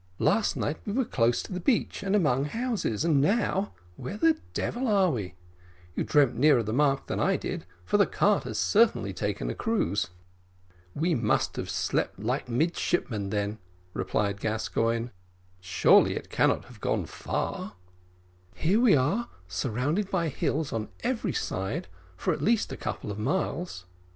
last night we were close to the beach, and among houses, and now where the devil are we? You dreamt nearer the mark than I did, for the cart has certainly taken a cruise." "We must have slept like midshipmen, then," replied Gascoigne: "surely it cannot have gone far." "Here we are, surrounded by hills on every side, for at least a couple of miles.